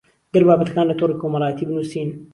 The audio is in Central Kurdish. گەر بابەتەکان لەتۆڕی کۆمەڵایەتی بنووسین